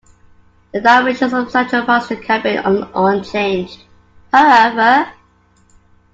The dimensions of the central passenger cabin were unchanged, however.